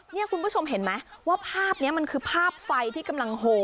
นี่คุณผู้ชมเห็นไหมว่าภาพนี้มันคือภาพไฟที่กำลังโห